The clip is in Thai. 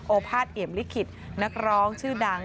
พาสเอี่ยมลิขิตนักร้องชื่อดัง